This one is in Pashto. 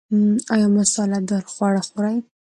ایا مساله داره خواړه خورئ؟